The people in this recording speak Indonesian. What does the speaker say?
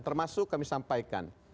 termasuk kami sampaikan